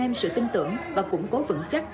nên sự tin tưởng và củng cố vững chắc